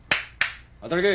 働け。